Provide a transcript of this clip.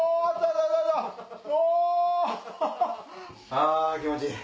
あ気持ちいい！